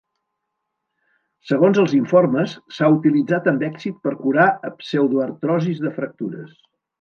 Segons els informes, s'ha utilitzat amb èxit per curar pseudoartrosis de fractures.